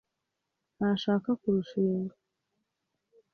ntashaka kurushinga.